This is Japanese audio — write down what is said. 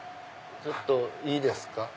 ちょっといいですか？